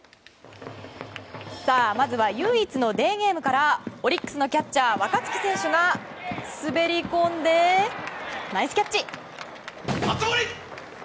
まずは唯一のデーゲームからオリックスのキャッチャー若月選手が滑り込んでナイスキャッチ。